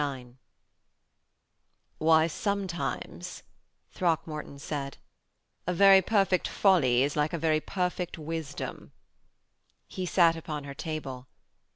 IX 'Why, sometimes,' Throckmorton said, 'a very perfect folly is like a very perfect wisdom.' He sat upon her table.